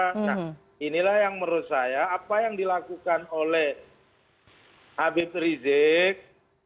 nah inilah yang menurut saya apa yang dilakukan oleh habib rizik